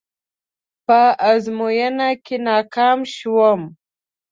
په ازموينه کې ناکام شوم.